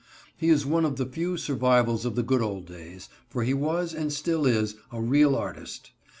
He is one of the few survivals of the good old days, for he was, and still is, a real artist.